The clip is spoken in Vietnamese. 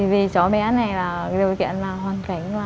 vì cháu bé này là điều kiện hoàn cảnh